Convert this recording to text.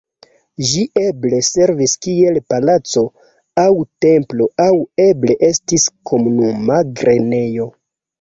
Ĝi eble servis kiel palaco aŭ templo aŭ eble estis komunuma grenejo.